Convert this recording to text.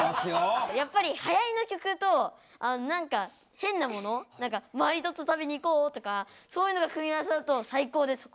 やっぱりはやりの曲となんか変なものマリトッツォ食べに行こうとかそういうのが組み合わさると最高です！